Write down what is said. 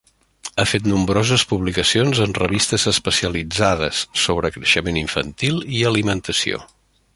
Ha fet nombroses publicacions en revistes especialitzades sobre creixement infantil i alimentació.